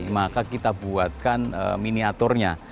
maka kita buatkan miniaturnya